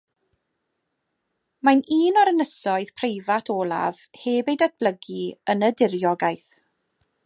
Mae'n un o'r ynysoedd preifat olaf heb eu datblygu yn y Diriogaeth.